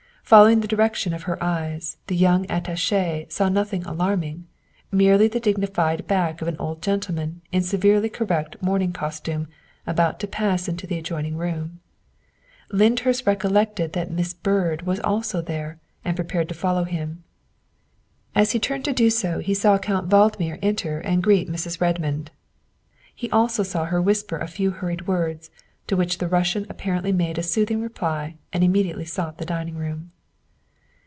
Following the direction of her eyes, the young At tache saw nothing alarming merely the dignified back of an old gentleman in severely correct morning costume about to pass into the adjoining room. Lyndhurst recol lected that Miss Byrd was also there and prepared to follow him. As he turned to do so he saw Count Vald mir enter and greet Mrs. Redmond; he also saw her whisper a few hurried words, to which the Russian apparently made a soothing reply and immediately sought the dining room.